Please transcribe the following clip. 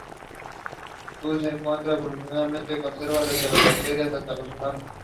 Ku se encuentra evolutivamente conservada desde las bacterias hasta los humanos.